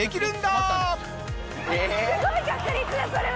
すごい確率だそれは！